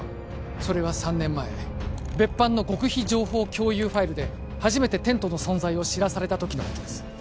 それは３年前別班の極秘情報共有ファイルで初めてテントの存在を知らされた時のことです